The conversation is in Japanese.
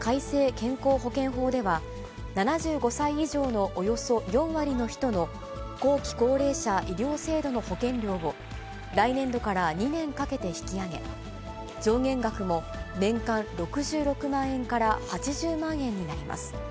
健康保険法では、７５歳以上のおよそ４割の人の後期高齢者医療制度の保険料を、来年度から２年かけて引き上げ、上限額も年間６６万円から８０万円になります。